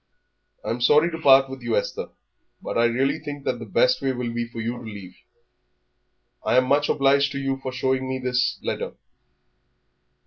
"I'm sorry to part with you, Esther, but I really think that the best way will be for you to leave. I am much obliged to you for showing me this letter.